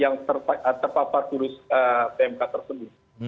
yang terpapar virus pmk tersebut